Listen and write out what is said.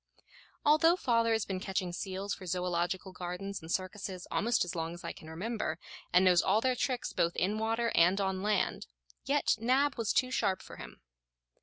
Although father has been catching seals for zoological gardens and circuses almost as long as I can remember, and knows all their tricks both in water and on land, yet Nab was too sharp for him.